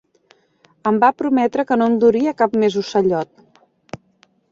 Em va prometre que no em duria cap més ocellot.